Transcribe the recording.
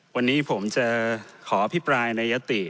วันนี้ผมจะขออภิปรายในยติ